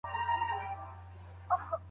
تعليم د ژوند مهارتونه هم رانغاړي.